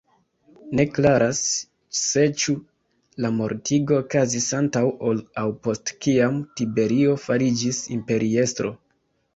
Ne klaras ĉseĉu la mortigo okazis antaŭ ol aŭ post kiam Tiberio fariĝis imperiestro.